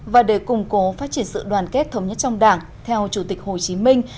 và để củng cố phát triển sự đoàn kết thống nhất trong đảng theo chủ tịch hồ chí minh